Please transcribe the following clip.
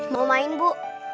mau main bu